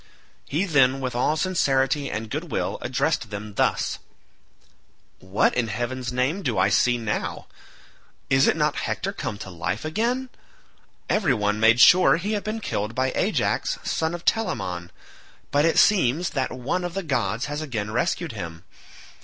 He then with all sincerity and goodwill addressed them thus: "What, in heaven's name, do I now see? Is it not Hector come to life again? Every one made sure he had been killed by Ajax son of Telamon, but it seems that one of the gods has again rescued him.